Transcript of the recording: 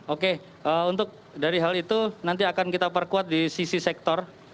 oke untuk dari hal itu nanti akan kita perkuat di sisi sektor